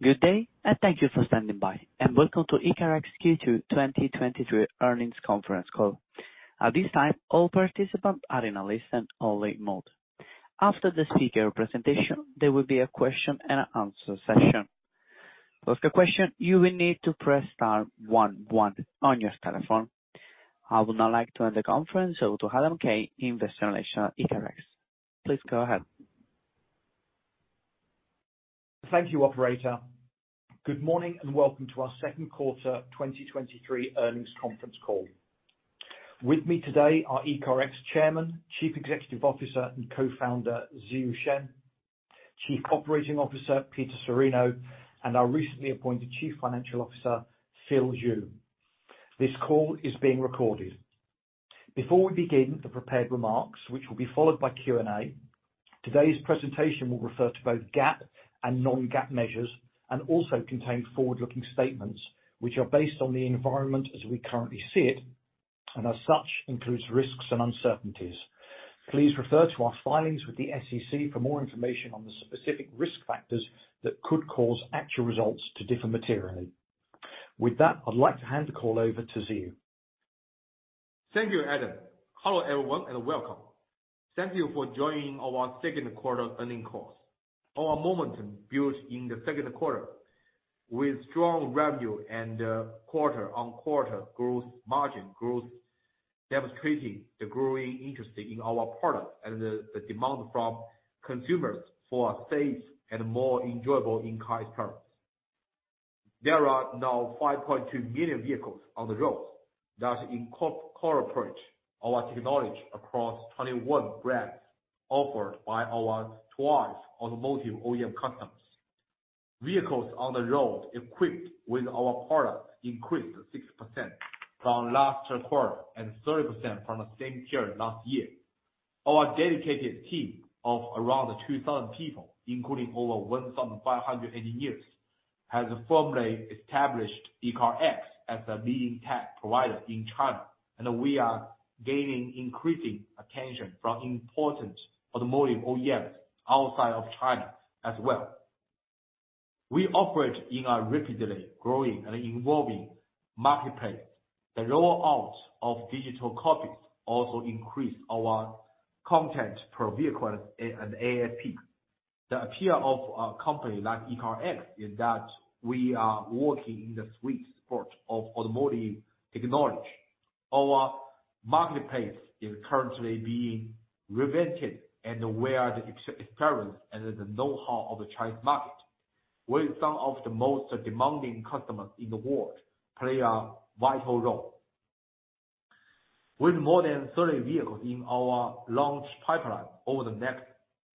Good day, and thank you for standing by, and welcome to ECARX Q2 2023 Earnings Conference Call. At this time, all participants are in a listen only mode. After the speaker presentation, there will be a question-and-answer session. To ask a question, you will need to press star one one on your telephone. I would now like to hand the conference over to Adam Kay, Investor Relations at ECARX. Please go ahead. Thank you, operator. Good morning, and welcome to our second quarter 2023 earnings conference call. With me today are ECARX Chairman, Chief Executive Officer, and Co-founder, Ziyu Shen, Chief Operating Officer, Peter Cirino, and our recently appointed Chief Financial Officer, Phil Zhou. This call is being recorded. Before we begin the prepared remarks, which will be followed by Q&A, today's presentation will refer to both GAAP and non-GAAP measures and also contain forward-looking statements, which are based on the environment as we currently see it, and as such, includes risks and uncertainties. Please refer to our filings with the SEC for more information on the specific risk factors that could cause actual results to differ materially. With that, I'd like to hand the call over to Ziyu. Thank you, Adam Kay. Hello, everyone, and welcome. Thank you for joining our second quarter earnings calls. Our momentum built in the second quarter with strong revenue and quarter-on-quarter growth, margin growth, demonstrating the growing interest in our product and the demand from consumers for safe and more enjoyable in-car experience. There are now 5.2 million vehicles on the road that incorporate our technology across 21 brands offered by our 2 automotive OEM customers. Vehicles on the road equipped with our products increased 6% from last quarter and 30% from the same period last year. Our dedicated team of around 2,000 people, including over 1,500 engineers, has firmly established ECARX as a leading tech provider in China, and we are gaining increasing attention from important automotive OEMs outside of China as well. We operate in a rapidly growing and evolving marketplace. The rollout of digital copies also increase our content per vehicle and ASP. The appeal of a company like ECARX is that we are working in the sweet spot of automotive technology. Our marketplace is currently being reinvented, and we are the experience and the know-how of the Chinese market, with some of the most demanding customers in the world play a vital role. With more than 30 vehicles in our launch pipeline over the next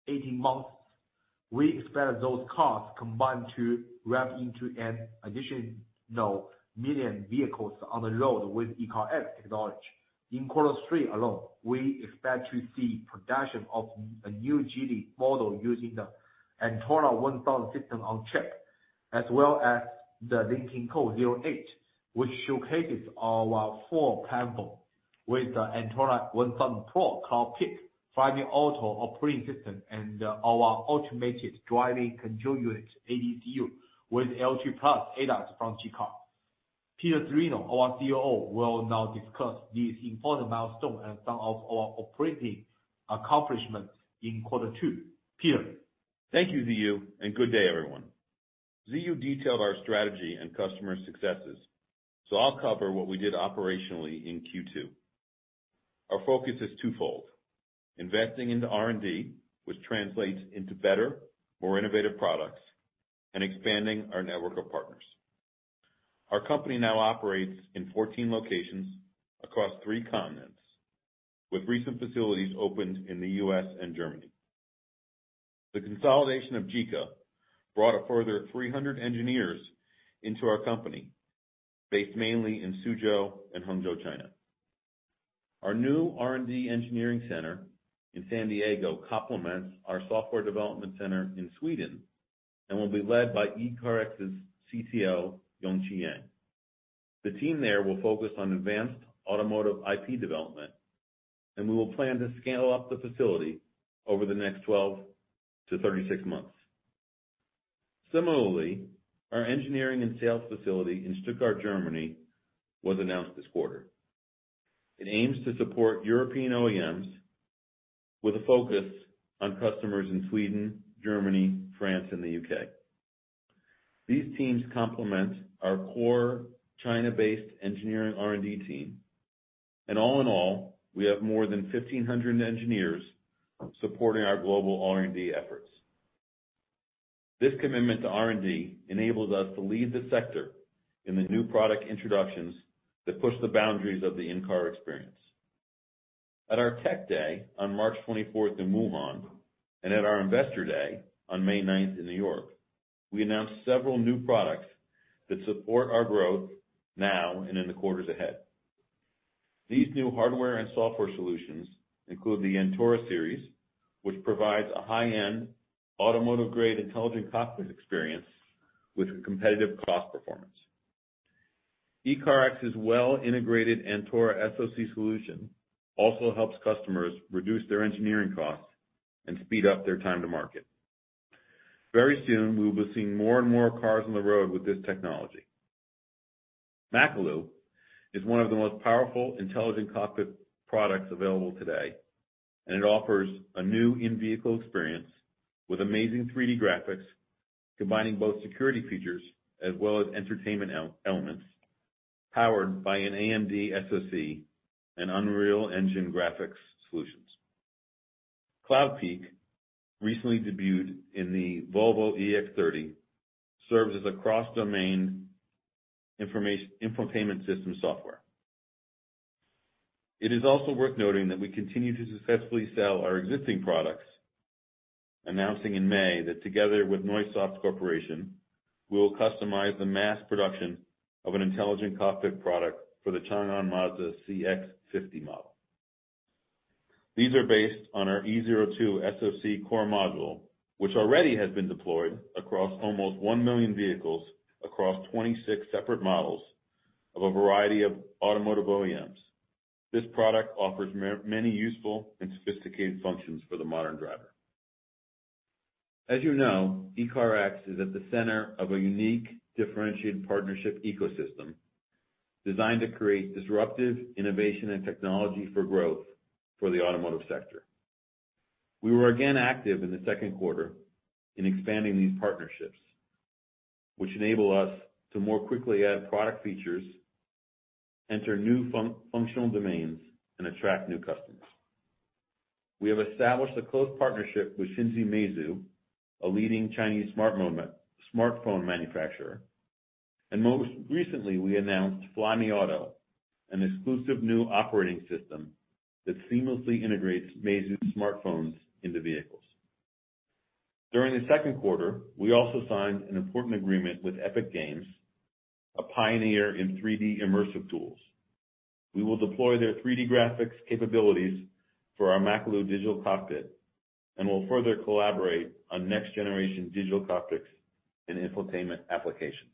18 months, we expect those cars combined to ramp into an additional 1 million vehicles on the road with ECARX technology. In quarter 3 alone, we expect to see production of a new Geely model using the Antora 1000 system-on-chip, as well as the Lynk & Co 08, which showcases our full platform with the Antora 1000 Pro cockpit, Flyme Auto operating system, and our automated driving control unit, ADCU, with L2+ ADAS from JICA. Peter Cirino, our COO, will now discuss this important milestone and some of our operating accomplishments in quarter 2. Peter? Thank you, Ziyu, and good day, everyone. Ziyu detailed our strategy and customer successes, so I'll cover what we did operationally in Q2. Our focus is twofold: investing into R&D, which translates into better, more innovative products, and expanding our network of partners. Our company now operates in 14 locations across three continents, with recent facilities opened in the U.S. and Germany. The consolidation of JICA brought a further 300 engineers into our company, based mainly in Suzhou and Hangzhou, China. Our new R&D engineering center in San Diego complements our software development center in Sweden and will be led by ECARX's CTO, Yongqi Yang. The team there will focus on advanced automotive IP development, and we will plan to scale up the facility over the next 12 to 36 months. Similarly, our engineering and sales facility in Stuttgart, Germany, was announced this quarter. It aims to support European OEMs with a focus on customers in Sweden, Germany, France, and the UK. These teams complement our core China-based engineering R&D team, and all in all, we have more than 1,500 engineers supporting our global R&D efforts. This commitment to R&D enables us to lead the sector in the new product introductions that push the boundaries of the in-car experience. At our Tech Day on March 24th in Wuhan, and at our Investor Day on May 9th in New York, we announced several new products that support our growth now and in the quarters ahead. These new hardware and software solutions include the Antora series, which provides a high-end automotive-grade intelligent cockpit experience with competitive cost performance.... ECARX's well-integrated Antora SoC solution also helps customers reduce their engineering costs and speed up their time to market. Very soon, we will be seeing more and more cars on the road with this technology. Makalu is one of the most powerful intelligent cockpit products available today, and it offers a new in-vehicle experience with amazing 3D graphics, combining both security features as well as entertainment elements, powered by an AMD SoC and Unreal Engine graphics solutions. Cloudpeak, recently debuted in the Volvo EX30, serves as a cross-domain information, infotainment system software. It is also worth noting that we continue to successfully sell our existing products, announcing in May that together with Neusoft Corporation, we will customize the mass production of an intelligent cockpit product for the Changan Mazda CX-50 model. These are based on our E02 SoC core module, which already has been deployed across almost 1 million vehicles, across 26 separate models of a variety of automotive OEMs. This product offers many useful and sophisticated functions for the modern driver. As you know, ECARX is at the center of a unique, differentiated partnership ecosystem designed to create disruptive innovation and technology for growth for the automotive sector. We were again active in the second quarter in expanding these partnerships, which enable us to more quickly add product features, enter new functional domains, and attract new customers. We have established a close partnership with Xingji Meizu, a leading Chinese smartphone manufacturer, and most recently, we announced Flyme Auto, an exclusive new operating system that seamlessly integrates Meizu smartphones into vehicles. During the second quarter, we also signed an important agreement with Epic Games, a pioneer in 3D immersive tools. We will deploy their 3D graphics capabilities for our Makalu digital cockpit, and we'll further collaborate on next-generation digital cockpits and infotainment applications.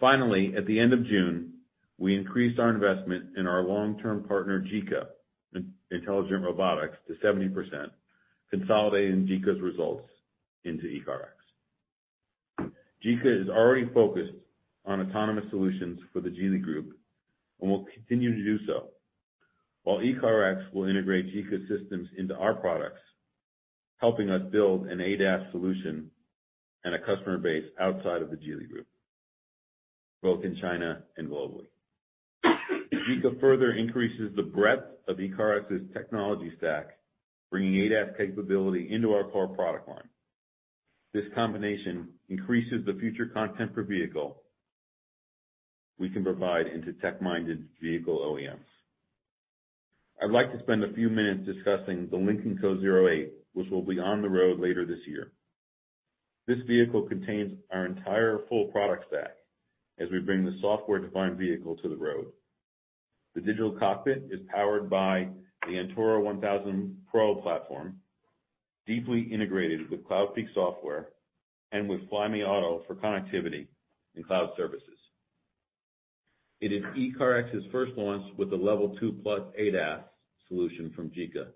Finally, at the end of June, we increased our investment in our long-term partner, JICA Intelligent Robotics, to 70%, consolidating JICA's results into ECARX. JICA is already focused on autonomous solutions for the Geely Group and will continue to do so, while ECARX will integrate JICA's systems into our products, helping us build an ADAS solution and a customer base outside of the Geely Group, both in China and globally. JICA further increases the breadth of ECARX's technology stack, bringing ADAS capability into our core product line. This combination increases the future content per vehicle we can provide into tech-minded vehicle OEMs. I'd like to spend a few minutes discussing the Lynk & Co 08, which will be on the road later this year. This vehicle contains our entire full product stack as we bring the software-defined vehicle to the road. The digital cockpit is powered by the Antora 1000 Pro platform, deeply integrated with Cloudpeak software and with Flyme Auto for connectivity and cloud services. It is ECARX's first launch with a L2+ ADAS solution from JICA,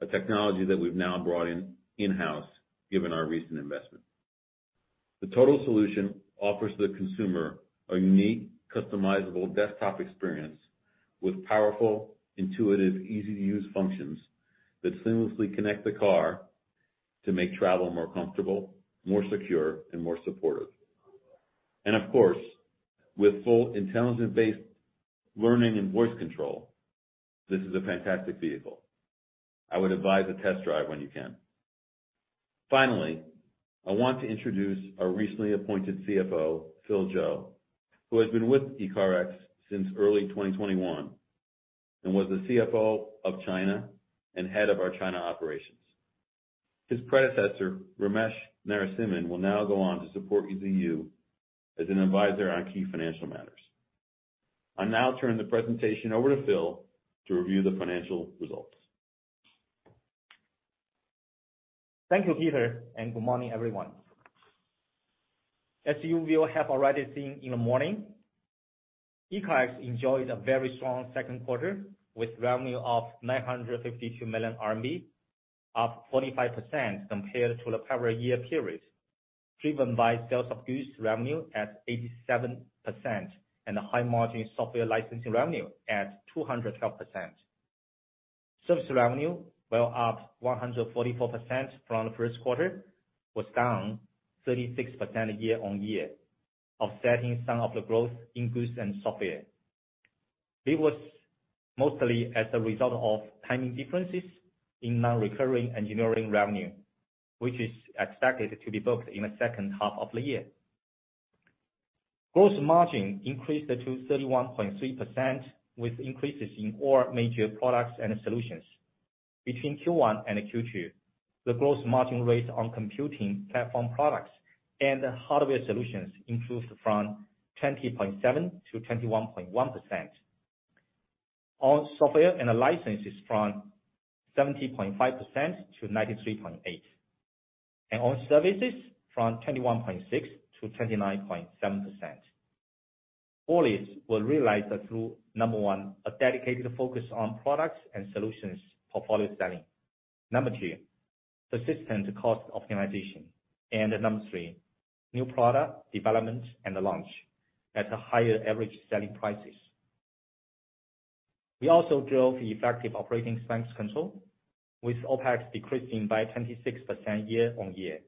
a technology that we've now brought in-house, given our recent investment. The total solution offers the consumer a unique, customizable desktop experience with powerful, intuitive, easy-to-use functions that seamlessly connect the car to make travel more comfortable, more secure, and more supportive. Of course, with full intelligent-based learning and voice control, this is a fantastic vehicle. I would advise a test drive when you can. Finally, I want to introduce our recently appointed CFO, Phil Zhou, who has been with ECARX since early 2021 and was the CFO of China and head of our China operations. His predecessor, Ramesh Narasimhan, will now go on to support ECARX as an advisor on key financial matters. I now turn the presentation over to Phil to review the financial results. Thank you, Peter, and good morning, everyone. As you will have already seen in the morning, ECARX enjoyed a very strong second quarter with revenue of 952 million RMB, up 45% compared to the prior year period, driven by sales of goods revenue at 87% and a high-margin software licensing revenue at 212%. Service revenue, while up 144% from the first quarter, was down 36% year-on-year, offsetting some of the growth in goods and software. It was mostly as a result of timing differences in non-recurring engineering revenue, which is expected to be booked in the H2 of the year. Gross margin increased to 31.3%, with increases in all major products and solutions. Between Q1 and Q2, the gross margin rate on computing platform products and hardware solutions improved from 20.7% to 21.1%. on software and the licenses from 70.5% to 93.8%, and on services from 21.6% to 29.7%. All these were realized through, 1. a dedicated focus on products and solutions portfolio selling. 2. persistent cost optimization. 3. new product development and launch at a higher average selling prices. We also drove the effective operating expense control, with OPEX decreasing by 26% year-over-year.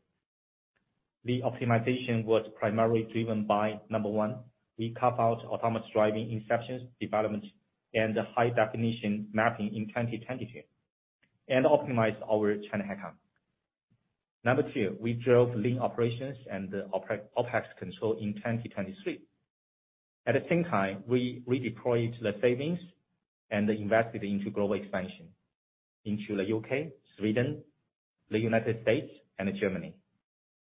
The optimization was primarily driven by, 1. we cut out autonomous driving inception development and high definition mapping in 2022, and optimized our China headcount. 2. we drove lean operations and OPEX control in 2023. At the same time, we redeployed the savings and invested into global expansion into the UK, Sweden, the United States, and Germany,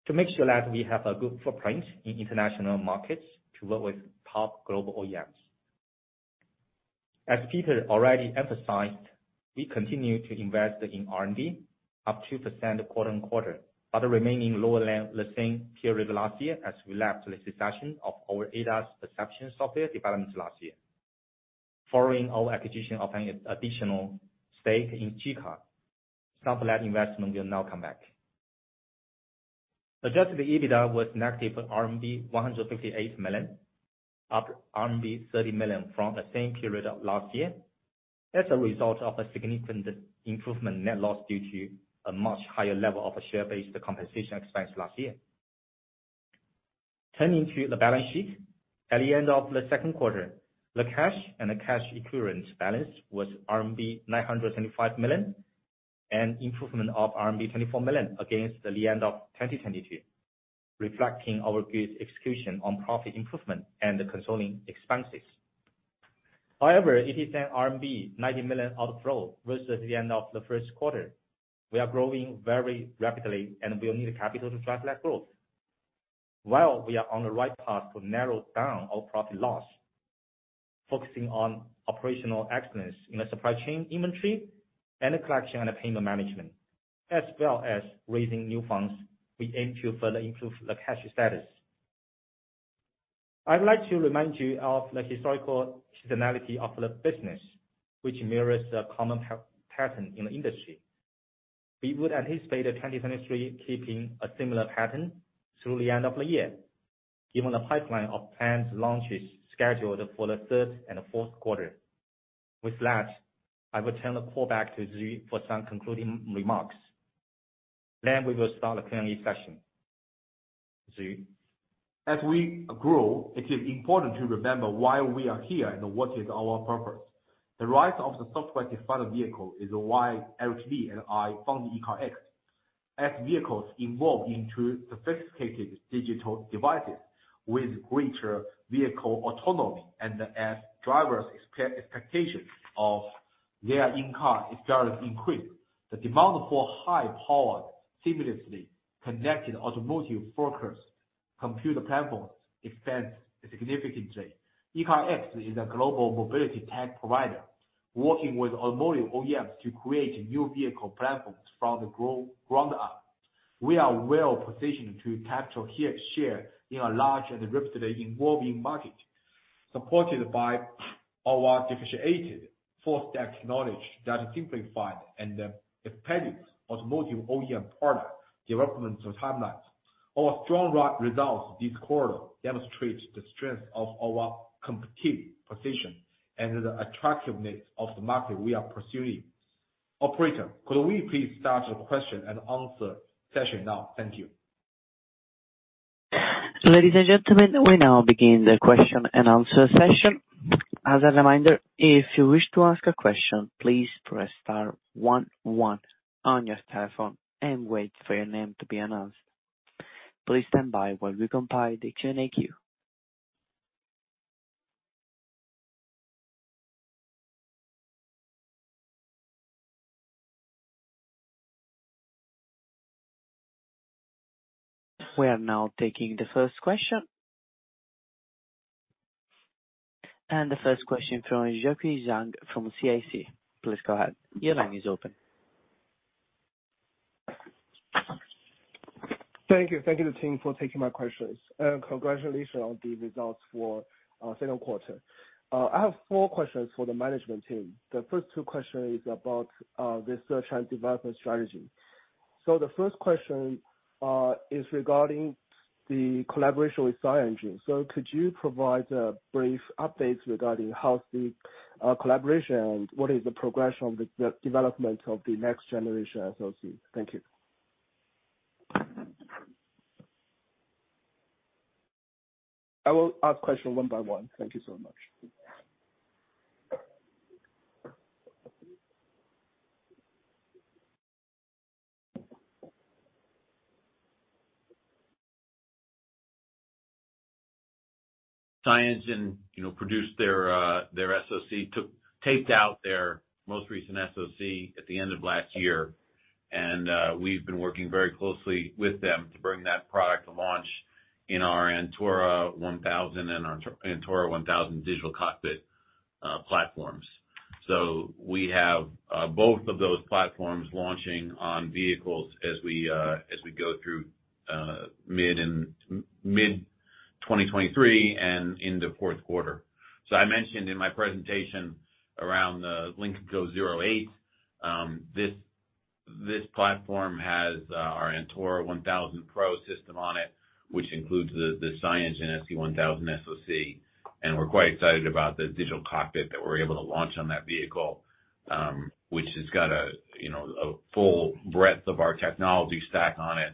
to make sure that we have a good footprint in international markets to work with top global OEMs. As Peter already emphasized, we continue to invest in R&D, up 2% quarter-on-quarter, but remaining lower than the same period last year, as we lapped the cessation of our ADAS perception software development last year. Following our acquisition of an additional stake in JICA, some of that investment will now come back. Adjusted EBITDA was negative RMB 158 million, up RMB 30 million from the same period of last year. As a result of a significant improvement net loss due to a much higher level of share-based compensation expense last year. Turning to the balance sheet. At the end of the second quarter, the cash and the cash equivalents balance was RMB 905 million, an improvement of RMB 24 million against the end of 2022, reflecting our good execution on profit improvement and controlling expenses. It is an RMB 90 million outflow versus the end of the first quarter. We are growing very rapidly, and we will need the capital to drive that growth. While we are on the right path to narrow down our profit loss, focusing on operational excellence in the supply chain inventory and collection and payment management, as well as raising new funds, we aim to further improve the cash status. I'd like to remind you of the historical seasonality of the business, which mirrors the common pattern in the industry. We would anticipate that 2023 keeping a similar pattern through the end of the year, given the pipeline of planned launches scheduled for the third and fourth quarter. With that, I will turn the call back to Ziyu for some concluding remarks. We will start the Q&A session. Ziyu? As we grow, it is important to remember why we are here and what is our purpose. The rise of the software-defined vehicle is why LVD and I founded ECARX. As vehicles evolve into sophisticated digital devices with greater vehicle autonomy, and as drivers' expectations of their in-car experience increase, the demand for high-powered, seamlessly connected automotive focused computer platforms expands significantly. ECARX is a global mobility tech provider, working with automotive OEMs to create new vehicle platforms from the ground up. We are well positioned to capture here, share in a large and rapidly evolving market, supported by our differentiated full-stack knowledge that simplified and expanded automotive OEM product development timelines. Our strong results this quarter demonstrate the strength of our competitive position and the attractiveness of the market we are pursuing. Operator, could we please start the question-and-answer session now? Thank you. Ladies and gentlemen, we now begin the question-and-answer session. As a reminder, if you wish to ask a question, please press star one one on your telephone and wait for your name to be announced. Please stand by while we compile the Q&A queue. We are now taking the first question. The first question from Jiaqi Zhang from CICC. Please go ahead. Your line is open. Thank you. Thank you, the team for taking my questions, and congratulations on the results for 2Q. I have 4 questions for the management team. The first 2 questions is about the research and development strategy. The first question is regarding the collaboration with SiEngine. Could you provide a brief update regarding how the collaboration and what is the progression of the development of the next generation SoC? Thank you. I will ask question one by one. Thank you so much. SiEngine, you know, produced their, their SoC, taped out their most recent SoC at the end of last year.... and we've been working very closely with them to bring that product to launch in our Antora 1000 and our Antora 1000 digital cockpit platforms. We have both of those platforms launching on vehicles as we go through mid-2023 and into fourth quarter. I mentioned in my presentation around the Lynk & Co 08, this platform has our Antora 1000 Pro system on it, which includes the SiEngine SE1000 SoC. And we're quite excited about the digital cockpit that we're able to launch on that vehicle, which has got a, you know, a full breadth of our technology stack on it.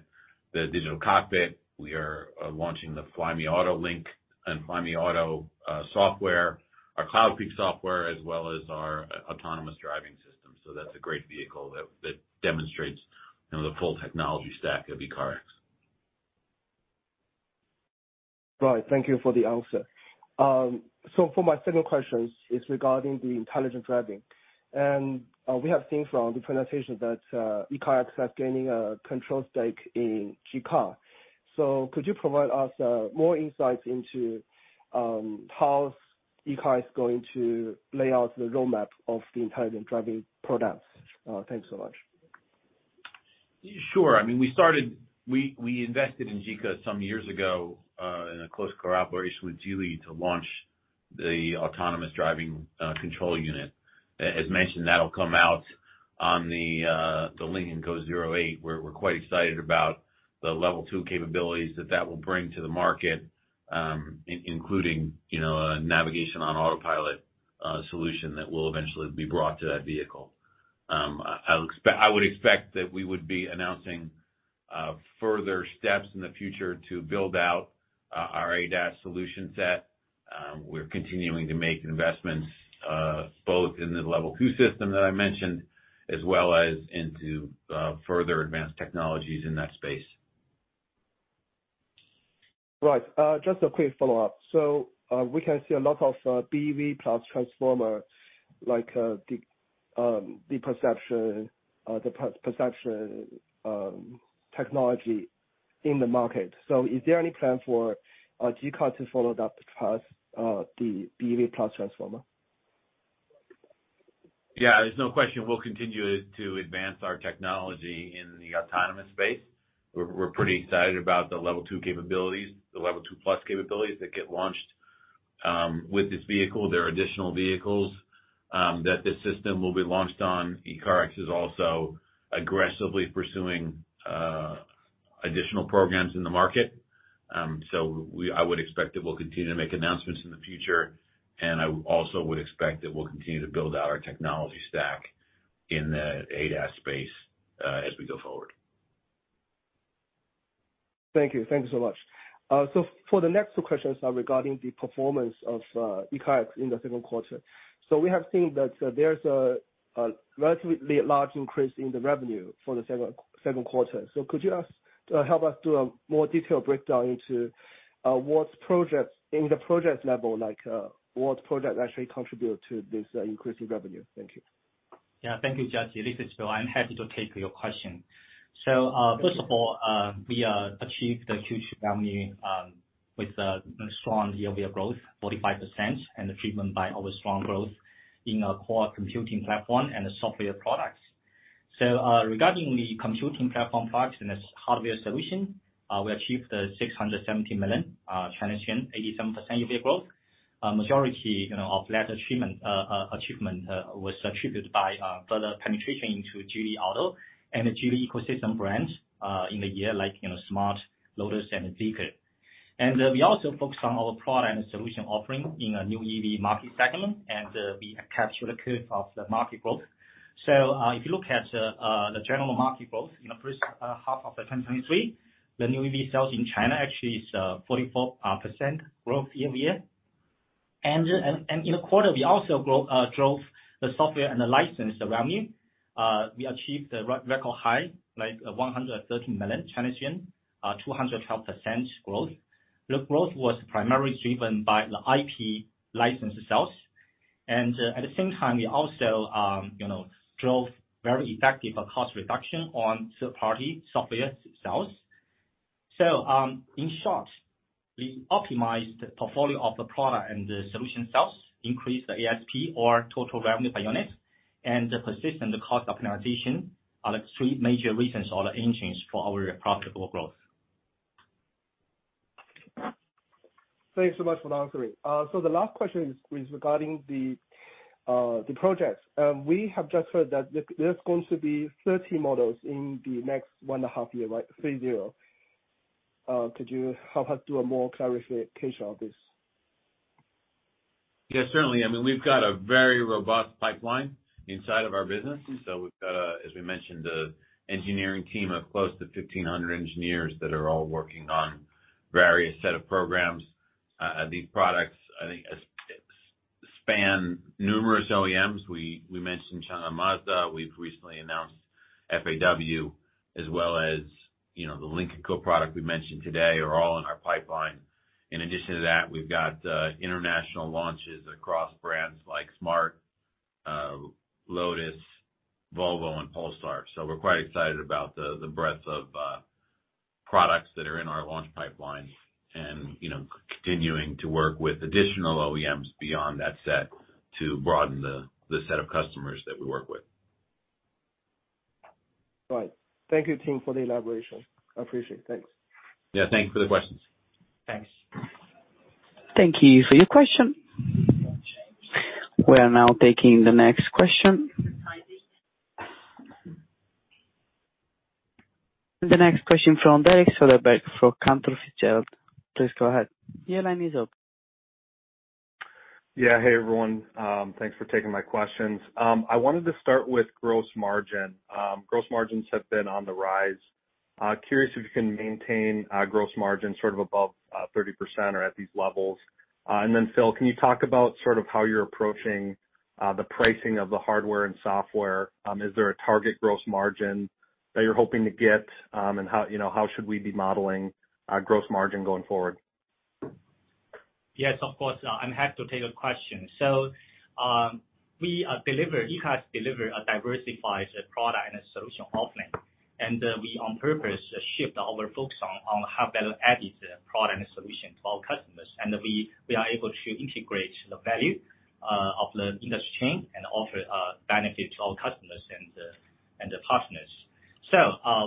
The digital cockpit, we are launching the Flyme Auto Link and Flyme Auto software, our CloudPeak software, as well as our autonomous driving system. That's a great vehicle that, that demonstrates, you know, the full technology stack of ECARX. Right. Thank you for the answer. For my second question, it's regarding the intelligent driving. We have seen from the presentation that ECARX is gaining a control stake in Zeekr. Could you provide us more insights into how ECARX is going to lay out the roadmap of the intelligent driving products? Thanks so much. Sure. I mean, we started- we, we invested in ECARX some years ago, in a close cooperation with Geely to launch the autonomous driving control unit. As mentioned, that'll come out on the Lynk & Co 08, where we're quite excited about the Level 2 capabilities that that will bring to the market, including, you know, a navigation on autopilot solution that will eventually be brought to that vehicle. I would expect that we would be announcing further steps in the future to build out our ADAS solution set. We're continuing to make investments, both in the Level 2 system that I mentioned, as well as into further advanced technologies in that space. Right. Just a quick follow-up. We can see a lot of BEV+Transformer, like deep, deep perception, the perception, technology in the market. Is there any plan for ECARX to follow that path, the BEV+Transformer? Yeah, there's no question we'll continue to advance our technology in the autonomous space. We're, we're pretty excited about the level two capabilities, the level two+ capabilities that get launched with this vehicle. There are additional vehicles that this system will be launched on. ECARX is also aggressively pursuing additional programs in the market. we- I would expect that we'll continue to make announcements in the future, and I also would expect that we'll continue to build out our technology stack in the ADAS space as we go forward. Thank you. Thank you so much. For the next two questions are regarding the performance of ECARX in the second quarter. We have seen that there's a relatively large increase in the revenue for the second quarter. Could you help us do a more detailed breakdown into what projects in the project level, like, what project actually contribute to this increase in revenue? Thank you. Yeah, thank you, Jiaqi. This is Phil. I'm happy to take your question. First of all, we achieved a huge revenue with strong year-over-year growth, 45%, and achievement by our strong growth in our core computing platform and the software products. Regarding the computing platform products and its hardware solution, we achieved the RMB 670 million, 87% year-over-year growth. Majority, you know, of latter achievement was attributed by further penetration into Geely Auto and the Geely ecosystem brands in the year, like, you know, smart, Lotus and Zeekr. We also focused on our product and solution offering in a new EV market segment, and, we capture the curve of the market growth. If you look at the general market growth in the H1 of 2023, the new EV sales in China actually is 44% growth year-over-year. In the quarter, we also grow drove the software and the license revenue. We achieved a record high, like, RMB 130 million, 212% growth. The growth was primarily driven by the IP license sales. At the same time, we also, you know, drove very effective cost reduction on third-party software sales. In short, we optimized the portfolio of the product and the solution sales, increased the ASP or total revenue per unit, and the persistent cost optimization, are the three major reasons or the engines for our profitable growth. Thanks so much for answering. The last question is, is regarding the projects. We have just heard that there, there's going to be 30 models in the next 1.5 years, right? 30. Could you help us do a more clarification of this? Yeah, certainly. I mean, we've got a very robust pipeline inside of our business. As we mentioned, a engineering team of close to 1,500 engineers that are all working on various set of programs. These products, I think, span numerous OEMs. We mentioned Changan Mazda, we've recently announced FAW as well as, you know, the Lynk & Co product we mentioned today are all in our pipeline. In addition to that, we've got international launches across brands like smart, Lotus, Volvo, and Polestar. We're quite excited about the breadth of products that are in our launch pipeline and, you know, continuing to work with additional OEMs beyond that set to broaden the set of customers that we work with. Right. Thank you, team, for the elaboration. I appreciate it. Thanks. Yeah, thank you for the questions. Thanks. Thank you for your question. We are now taking the next question. The next question from Derek Soderberg, from Cantor Fitzgerald. Please go ahead. Your line is open. Yeah. Hey, everyone. Thanks for taking my questions. I wanted to start with gross margin. Gross margins have been on the rise. Curious if you can maintain gross margin sort of above 30% or at these levels. Then, Phil, can you talk about sort of how you're approaching the pricing of the hardware and software? Is there a target gross margin that you're hoping to get? And how, you know, how should we be modeling gross margin going forward? Yes, of course, I'm happy to take the question. We deliver -- ECARX delivered a diversified product and a solution offering, and we on purpose shift our focus on, on how better added product and solution to our customers. We, we are able to integrate the value of the industry chain and offer benefit to our customers and the, and the partners.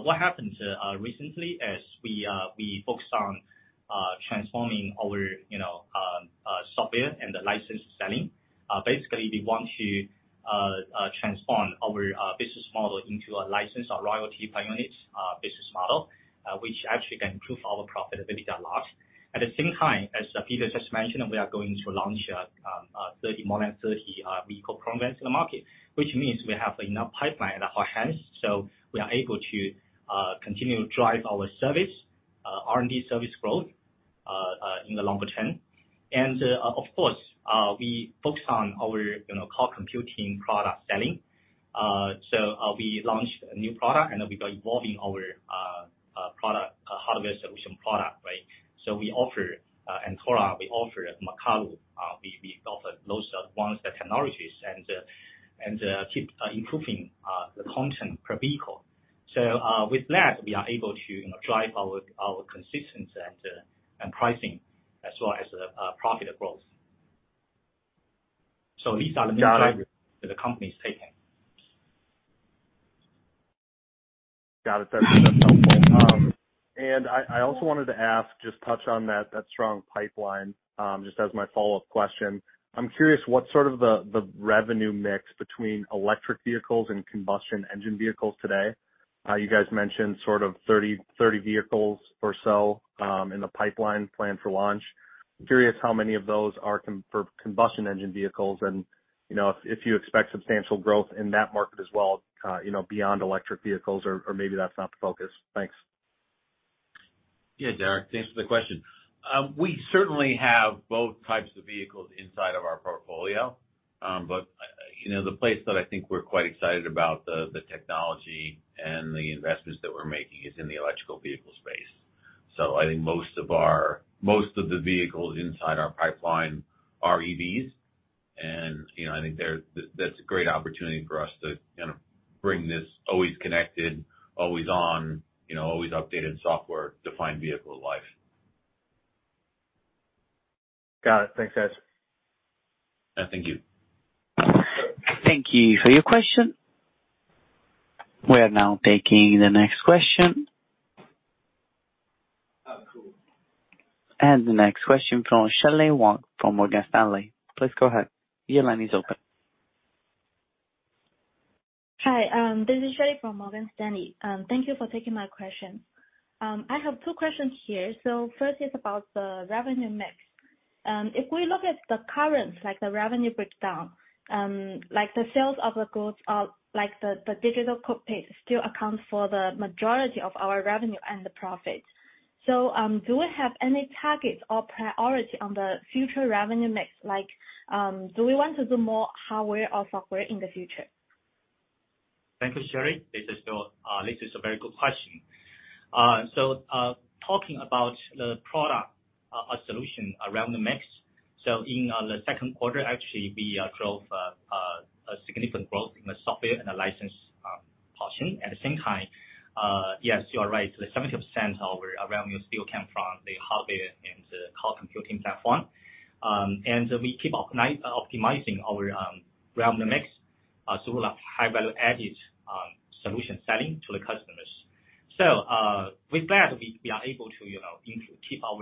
What happened recently as we focused on transforming our, you know, software and the license selling. Basically, we want to transform our business model into a license or royalty per units business model, which actually can improve our profitability a lot. At the same time, as Peter just mentioned, we are going to launch, 30 more than 30, vehicle programs in the market, which means we have enough pipeline at our hands, so we are able to continue to drive our service, R&D service growth, in the longer term. Of course, we focus on our, you know, core computing product selling. We launched a new product, and we are evolving our product, hardware solution product, right? We offer Antora, we offer Makalu. We, we offer those advanced technologies and, and, keep, improving, the content per vehicle. With that, we are able to, you know, drive our, our consistency and, and pricing as well as, profit growth. These are the measures that the company is taking. Got it. That's, that's helpful. And I, I also wanted to ask, just touch on that, that strong pipeline, just as my follow-up question. I'm curious, what's sort of the, the revenue mix between electric vehicles and combustion engine vehicles today? You guys mentioned sort of 30, 30 vehicles or so, in the pipeline planned for launch. I'm curious how many of those are for combustion engine vehicles and, you know, if, if you expect substantial growth in that market as well, you know, beyond electric vehicles, or, or maybe that's not the focus. Thanks. Yeah, Derek, thanks for the question. We certainly have both types of vehicles inside of our portfolio. You know, the place that I think we're quite excited about the, the technology and the investments that we're making is in the electrical vehicle space. I think most of our -- most of the vehicles inside our pipeline are EVs, and, you know, I think there, that's a great opportunity for us to, you know, bring this always connected, always on, you know, always updated software-defined vehicle life. Got it. Thanks, guys. Yeah, thank you. Thank you for your question. We are now taking the next question. The next question from Shelley Wang from Morgan Stanley. Please go ahead. Your line is open. Hi, this is Shelley from Morgan Stanley. Thank you for taking my question. I have 2 questions here. First is about the revenue mix. If we look at the current, the revenue breakdown, the sales of the goods are, the digital cockpit still accounts for the majority of our revenue and the profits. Do we have any targets or priority on the future revenue mix? Do we want to do more hardware or software in the future? Thank you, Shelley. This is Phil. This is a very good question. Talking about the product solution around the mix. In the second quarter, actually, we drove a significant growth in the software and the license portion. At the same time, yes, you are right, the 70% of our revenue still came from the hardware and the cloud computing platform. We keep optimizing our revenue mix through like high-value added solution selling to the customers. With that, we are able to, you know, keep our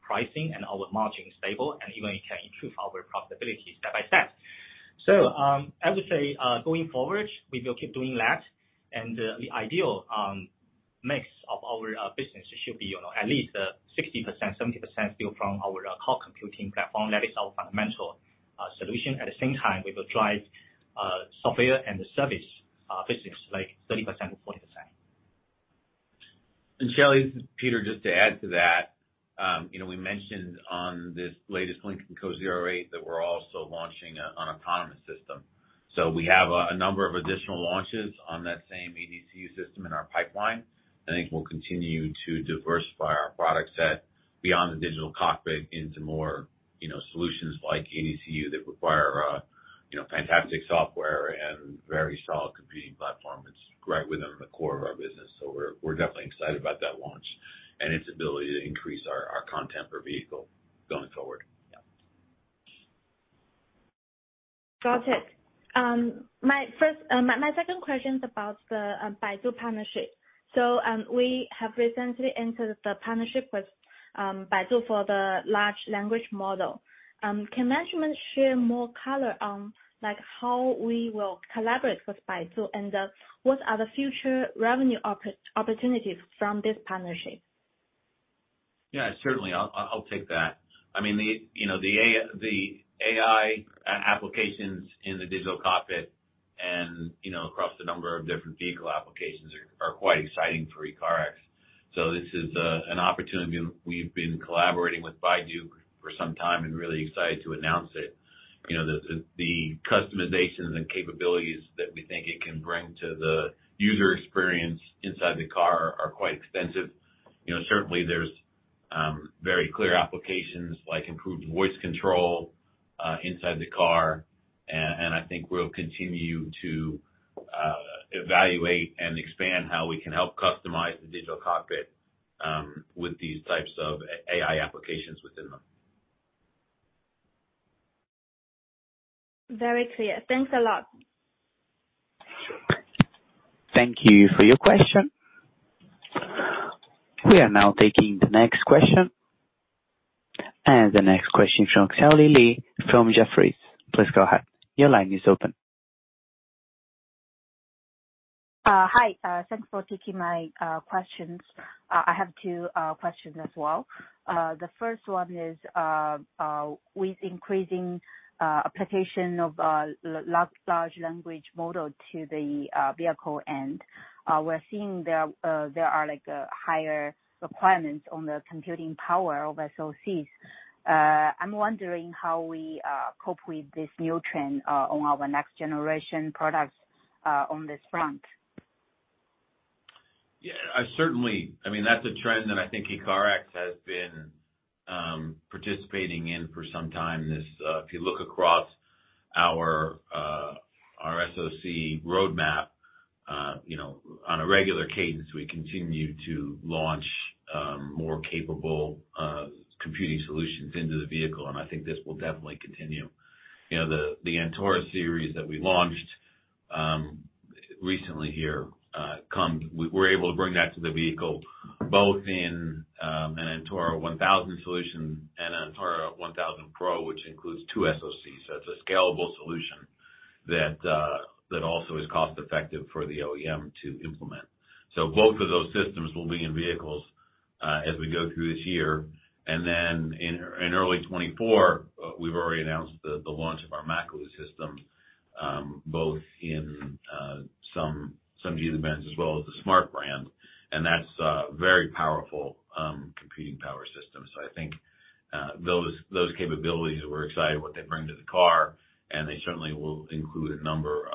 pricing and our margin stable and even can improve our profitability step by step. I would say, going forward, we will keep doing that. The ideal mix of our business should be, you know, at least 60%, 70% still from our cloud computing platform. That is our fundamental solution. At the same time, we will drive software and the service business, like 30% or 40%. Shelley, this is Peter, just to add to that, you know, we mentioned on this latest Lynk & Co 08 that we're also launching a, an autonomous system. We have a, a number of additional launches on that same ADCU system in our pipeline. I think we'll continue to diversify our product set beyond the digital cockpit into more, you know, solutions like ADCU, that require, you know, fantastic software and very solid computing platform. It's right within the core of our business. We're, we're definitely excited about that launch and its ability to increase our, our content per vehicle going forward. Yeah. Got it. My first, my, my second question is about the Baidu partnership. We have recently entered the partnership with Baidu for the large language model. Can management share more color on, like, how we will collaborate with Baidu, and what are the future revenue oppor- opportunities from this partnership? Yeah, certainly, I'll, I'll, take that. I mean, the, you know, the AI, the AI applications in the digital cockpit and, you know, across the number of different vehicle applications are, are quite exciting for ECARX. This is an opportunity, and we've been collaborating with Baidu for some time and really excited to announce it. You know, the, the, the customizations and capabilities that we think it can bring to the user experience inside the car are quite extensive. You know, certainly there's very clear applications like improved voice control inside the car. I think we'll continue to evaluate and expand how we can help customize the digital cockpit with these types of AI applications within them. Very clear. Thanks a lot. Thank you for your question. We are now taking the next question. The next question from Xiaoyi Lei from Jefferies. Please go ahead. Your line is open. Hi. Thanks for taking my questions. I have 2 questions as well. The first one is, with increasing application of large language model to the vehicle end, we're seeing there, there are, like, higher requirements on the computing power of SoCs. I'm wondering how we cope with this new trend on our next generation products on this front? Yeah, I certainly... I mean, that's a trend that I think ECARX has been participating in for some time. This, if you look across our SoC roadmap, you know, on a regular cadence, we continue to launch more capable computing solutions into the vehicle. I think this will definitely continue. You know, the Antora series that we launched recently here, we were able to bring that to the vehicle, both in an Antora 1000 solution and an Antora 1000 Pro, which includes two SoCs. It's a scalable solution that also is cost effective for the OEM to implement. Both of those systems will be in vehicles as we go through this year. In, in early 2024, we've already announced the, the launch of our Makalu system, both in, some, some G events as well as the smart brand, and that's a very powerful, computing power system. I think, those, those capabilities, we're excited what they bring to the car, and they certainly will include a number of,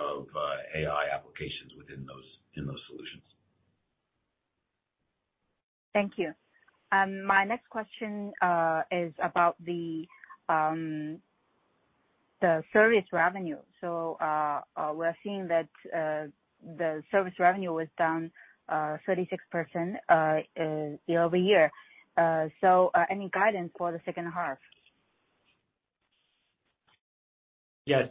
AI applications within those, in those solutions. Thank you. My next question is about the service revenue. We're seeing that the service revenue was down 36% year-over-year. Any guidance for the H2? Yes.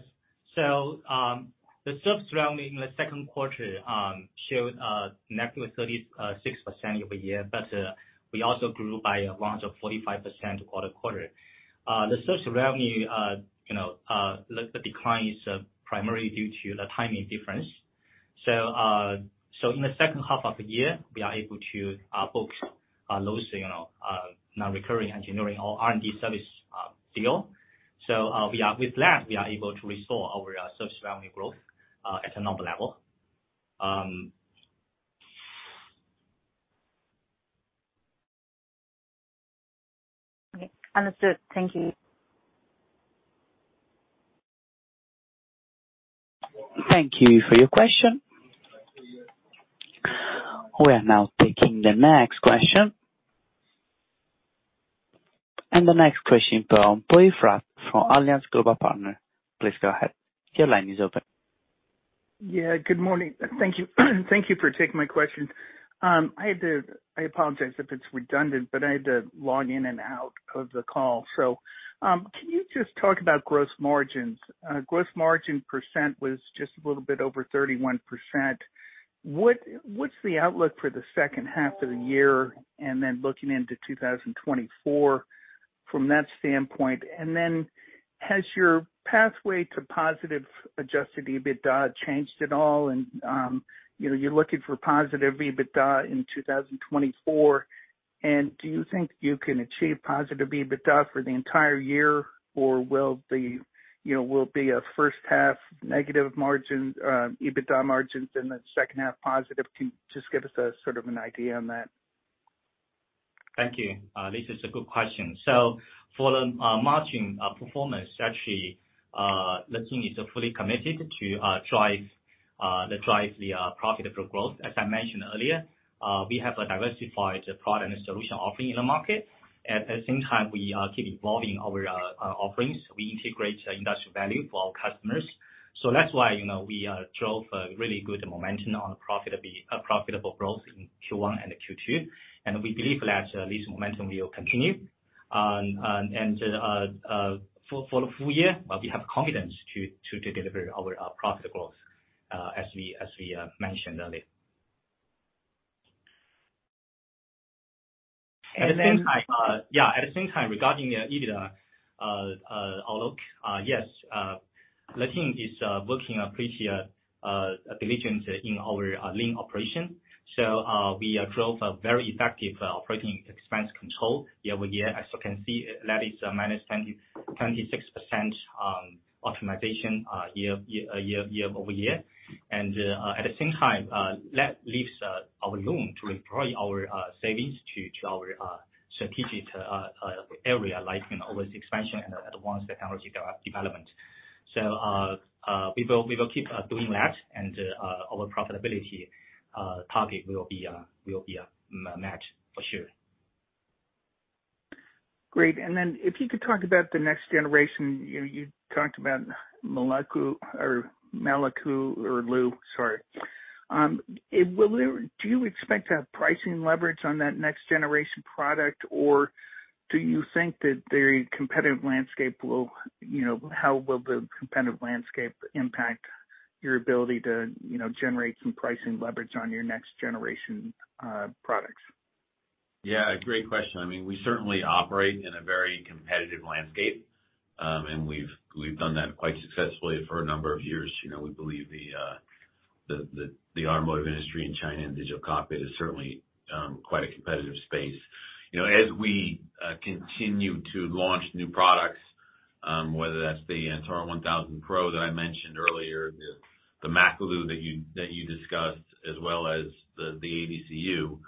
The service revenue in the second quarter showed net was 36% year-over-year, but we also grew by around 45% quarter-over-quarter. The service revenue, you know, the decline is primarily due to the timing difference. So in the H2 of the year, we are able to book those, you know, non-recurring engineering or R&D service deal. We are with that, we are able to restore our service revenue growth at a normal level. Okay, understood. Thank you. Thank you for your question. We are now taking the next question. The next question from Poe Fratt from Alliance Global Partners. Please go ahead. Your line is open. Yeah, good morning. Thank you. Thank you for taking my question. I had to... I apologize if it's redundant, but I had to log in and out of the call. Can you just talk about gross margins? Gross margin percent was just a little bit over 31%. What, what's the outlook for the H2 of the year, looking into 2024 from that standpoint? Has your pathway to positive adjusted EBITDA changed at all? You know, you're looking for positive EBITDA in 2024.... Do you think you can achieve positive EBITDA for the entire year, or will the, you know, will it be a H1 negative margin, EBITDA margins, and then H2 positive? Can you just give us a sort of an idea on that? Thank you. This is a good question. So for the margin performance, actually, ECARX is fully committed to drive, drive the profitable growth. As I mentioned earlier, we have a diversified product and solution offering in the market. At the same time, we keep evolving our offerings. We integrate industrial value for our customers. So that's why, you know, we drove a really good momentum on profitable growth in Q1 and Q2, and we believe that this momentum will continue. For, for the full year, we have confidence to, to deliver our profit growth, as we, as we mentioned earlier. And then- At the same time, at the same time, regarding the EBITDA outlook, yes, Letian is working pretty diligently in our lean operation. We drove a very effective operating expense control year-over-year. As you can see, that is -26% optimization year-over-year. At the same time, that leaves our room to employ our savings to, to our strategic area, like, you know, our expansion and advanced technology development. We will, we will keep doing that, and our profitability target will be, will be met for sure. Great. If you could talk about the next generation, you, you talked about Makalu, sorry. Do you expect to have pricing leverage on that next generation product? Or do you think that the competitive landscape will, you know, how will the competitive landscape impact your ability to, you know, generate some pricing leverage on your next generation products? Yeah, great question. I mean, we certainly operate in a very competitive landscape. We've, we've done that quite successfully for a number of years. You know, we believe the, the, the, the automotive industry in China and digital cockpit is certainly quite a competitive space. You know, as we continue to launch new products, whether that's the Antora 1000 Pro that I mentioned earlier, the Makalu that you, that you discussed, as well as the, the ADCU,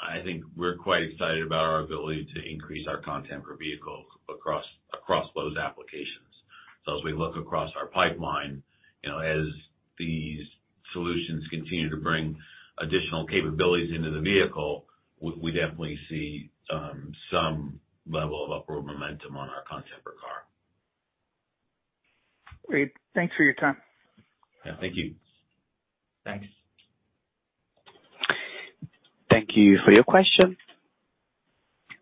I think we're quite excited about our ability to increase our content per vehicle across, across those applications. So as we look across our pipeline, you know, as these solutions continue to bring additional capabilities into the vehicle, we, we definitely see some level of upward momentum on our content per car. Great. Thanks for your time. Yeah, thank you. Thanks. Thank you for your question.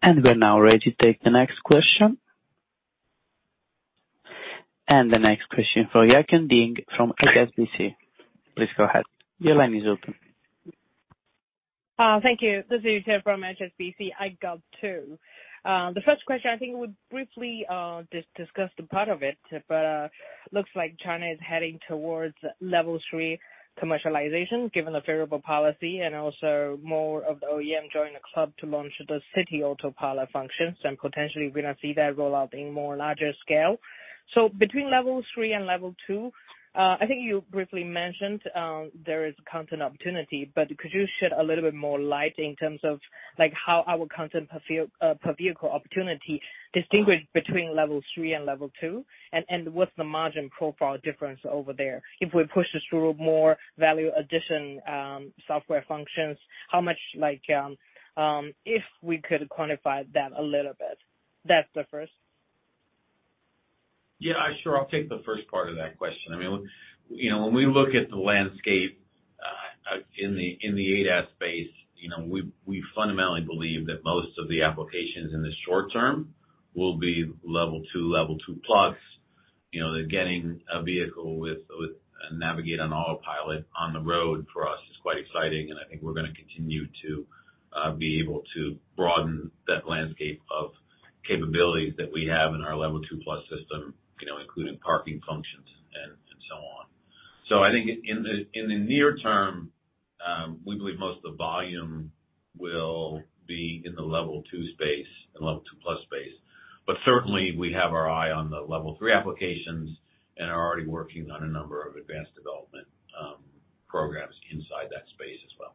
We're now ready to take the next question. The next question from Yuqian Ding from HSBC. Please go ahead. Your line is open. Thank you. This is Yuqian from HSBC, I got two. The first question, I think we briefly discussed a part of it, but looks like China is heading towards Level three commercialization, given the favorable policy and also more of the OEM joining the club to launch the city autopilot function. Potentially we're going to see that roll out in more larger scale. Between Level three and Level two, I think you briefly mentioned, there is content opportunity, but could you shed a little bit more light in terms of, like, how our content per vehicle opportunity distinguish between Level three and Level two, and, and what's the margin profile difference over there? If we push this through more value addition, software functions, how much like, if we could quantify that a little bit. That's the first. Yeah, sure. I'll take the first part of that question. I mean, when, you know, when we look at the landscape in the ADAS space, you know, we, we fundamentally believe that most of the applications in the short term will be Level 2, Level 2+. You know, getting a vehicle with, with navigate on autopilot on the road for us is quite exciting, and I think we're going to continue to be able to broaden that landscape of capabilities that we have in our Level 2+ system, you know, including parking functions and so on. I think in the near term, we believe most of the volume will be in the Level 2 space and Level 2+ space. Certainly, we have our eye on the Level three applications and are already working on a number of advanced development programs inside that space as well.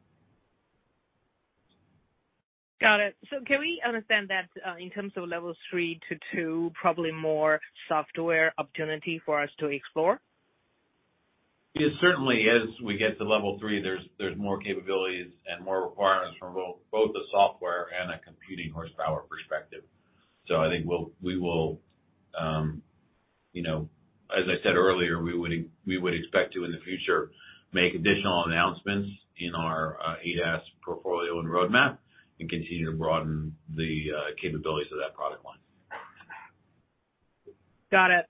Got it. Can we understand that, in terms of Levels 3 to 2, probably more software opportunity for us to explore? Yeah, certainly as we get to Level 3, there's, there's more capabilities and more requirements from both, both the software and a computing horsepower perspective. I think we'll, we will, you know, as I said earlier, we would, we would expect to, in the future, make additional announcements in our ADAS portfolio and roadmap and continue to broaden the capabilities of that product line. Got it.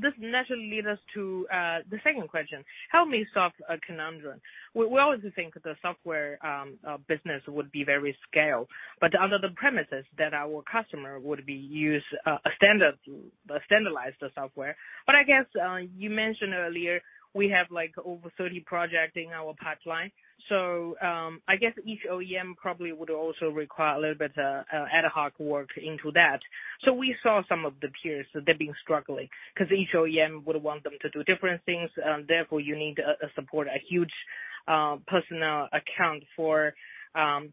This naturally leads us to the second question: Help me solve a conundrum. We, we always think the software business would be very scale, under the premises that our customer would be use a standard, standardized software. I guess, you mentioned earlier, we have, like, over 30 projects in our pipeline. I guess each OEM probably would also require a little bit ad hoc work into that. We saw some of the peers, they've been struggling, because each OEM would want them to do different things, and therefore, you need support a huge personnel account for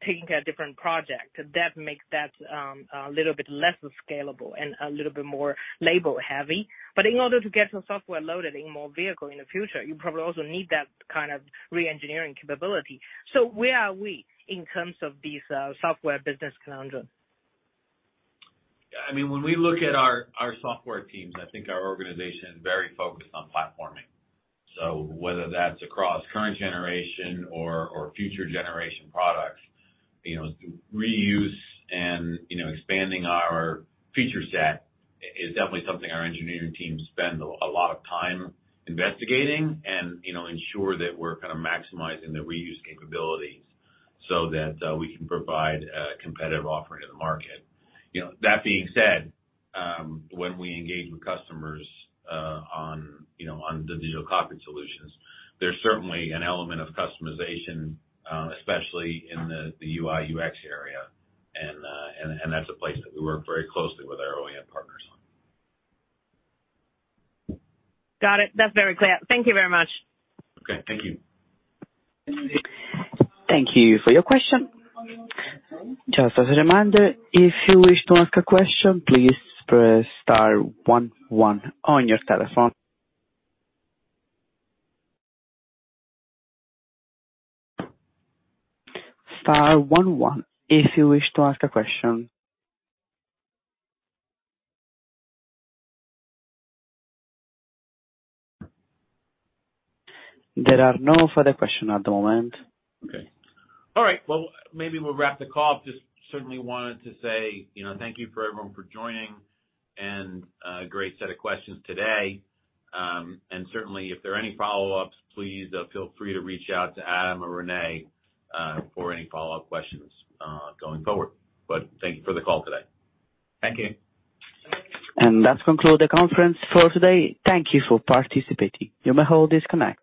taking a different project. That makes that a little bit less scalable and a little bit more labor heavy. In order to get some software loaded in more vehicle in the future, you probably also need that kind of reengineering capability. Where are we in terms of this software business conundrum? I mean, when we look at our, our software teams, I think our organization is very focused on platforming. So whether that's across current generation or, or future generation products, you know, reuse and, you know, expanding our feature set is definitely something our engineering teams spend a lot of time investigating and, you know, ensure that we're kind of maximizing the reuse capabilities so that we can provide a competitive offering in the market. You know, that being said, when we engage with customers, on, you know, on the digital cockpit solutions, there's certainly an element of customization, especially in the, the UI, UX area, and, and that's a place that we work very closely with our OEM partners on. Got it. That's very clear. Thank you very much. Okay, thank you. Thank you for your question. Just as a reminder, if you wish to ask a question, please press star one one on your telephone. Star one one if you wish to ask a question. There are no further questions at the moment. Okay. All right, well, maybe we'll wrap the call up. Just certainly wanted to say, you know, thank you for everyone for joining, and great set of questions today. Certainly, if there are any follow-ups, please feel free to reach out to Adam or Renee for any follow-up questions going forward. Thank you for the call today. Thank you. That conclude the conference for today. Thank you for participating. You may all disconnect.